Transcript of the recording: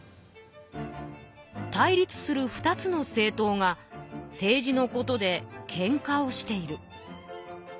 「対立する２つの政党が政治のことで喧嘩をしている。